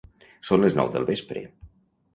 Són les nou del vespre.